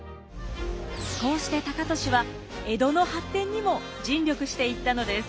こうして高利は江戸の発展にも尽力していったのです。